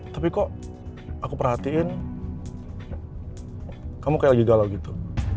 tapi kok aku perhatiin kamu kayak lagi galau gitu